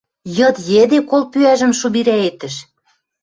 Йыд йӹде кол пӱӓжӹм шубирӓетӹш!